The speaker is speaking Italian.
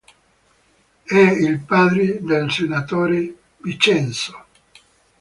È il padre del senatore Vincenzo.